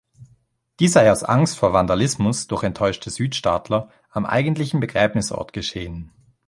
Dies sei aus Angst vor Vandalismus durch enttäuschte Südstaatler am eigentlichen Begräbnisort geschehen.